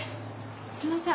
すいません。